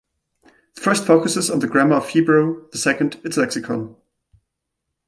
The first focuses on the grammar of Hebrew, the second its lexicon.